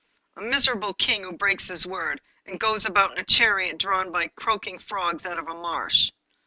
A miserable King who breaks his word, and goes about in a chariot drawn by croaking frogs out of a marsh!